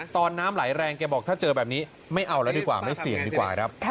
น้ำไหลแรงแกบอกถ้าเจอแบบนี้ไม่เอาแล้วดีกว่าไม่เสี่ยงดีกว่าครับ